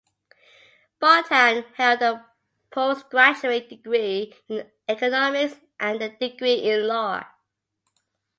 Bardhan held a postgraduate degree in economics and a degree in law.